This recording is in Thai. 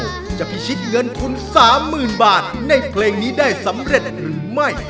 จะพิชิตเงินทุน๓๐๐๐บาทในเพลงนี้ได้สำเร็จหรือไม่